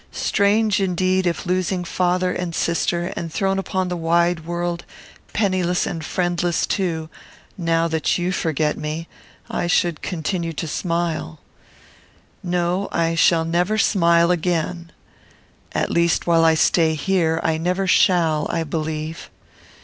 Strange, indeed, if, losing father and sister, and thrown upon the wide world, penniless and friendless too, now that you forget me, I should continue to smile. No. I never shall smile again. At least, while I stay here, I never shall, I believe.